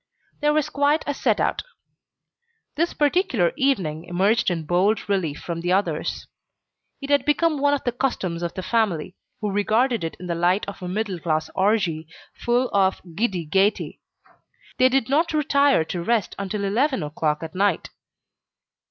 There was quite a set out. This particular evening emerged in bold relief from the others. It had become one of the customs of the family, who regarded it in the light of a middle class orgie full of giddy gaiety. They did not retire to rest until eleven o'clock at night.